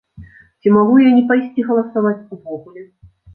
Ці магу я не пайсці галасаваць увогуле?